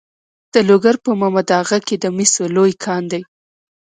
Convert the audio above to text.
د لوګر په محمد اغه کې د مسو لوی کان دی.